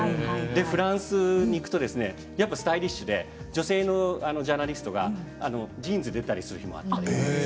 フランスに行くとスタイリッシュで女性のジャーナリストがジーンズで出たりする日もあります。